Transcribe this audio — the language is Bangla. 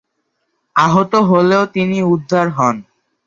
আহত হলেও তিনি উদ্ধার হন।